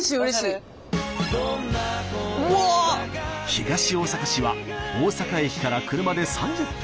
東大阪市は大阪駅から車で３０分。